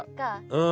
うん。